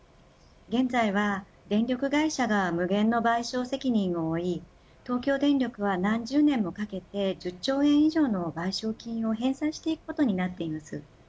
現在は電力会社が無限の賠償責任を負い東京電力は、何十年もかけて１０兆円以上の賠償金を返済していくことになっています。